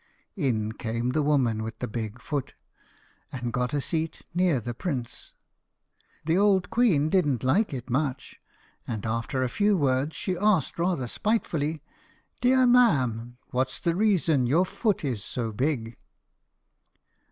In came the woman with the big foot, and got a seat near the prince. The old queen didn't like it much, and after a few words she asked rather spitefully, "Dear ma'am, what's the reason your foot is so big?"